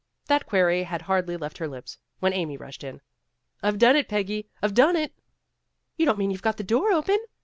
That query had hardly left her lips, when Amy rushed in. "I've done it, Peggy, I've done it." "You don't mean you've got the door open?"